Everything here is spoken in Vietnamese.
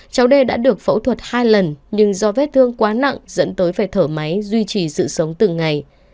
cháu đê đã được phẫu thuật hai lần nhưng do vết thương quá nặng dẫn tới phải thở máy duy trì sự sống từng ngày